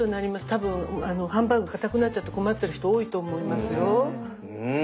多分ハンバーグかたくなっちゃって困っている人多いと思いますよ。